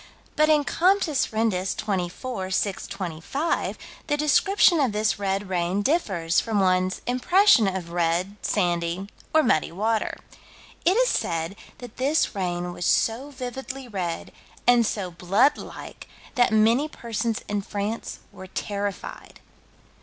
But in Comptes Rendus, 24 625, the description of this red rain differs from one's impression of red, sandy or muddy water. It is said that this rain was so vividly red and so blood like that many persons in France were terrified.